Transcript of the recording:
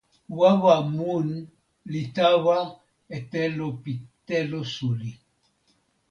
wawa mun li tawa e telo pi telo suli.